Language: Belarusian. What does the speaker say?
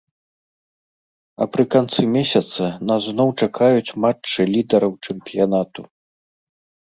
А пры канцы месяца нас зноў чакаюць матчы лідэраў чэмпіянату.